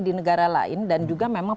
di negara lain dan juga memang